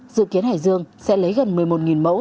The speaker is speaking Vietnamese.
dự kiến hải dương sẽ lấy gần một mươi một mẫu